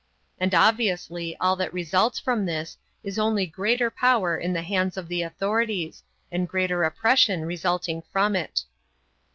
And obviously all that results from this is only greater power in the hands of the authorities, and greater oppression resulting from it.